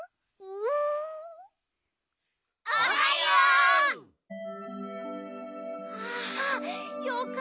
おはよう！はあよかった。